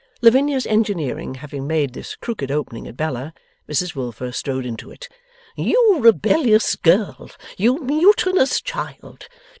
Lavinia's engineering having made this crooked opening at Bella, Mrs Wilfer strode into it. 'You rebellious spirit! You mutinous child!